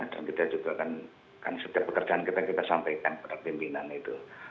dan kita juga kan setiap pekerjaan kita kita sampaikan kepada pimpinan itu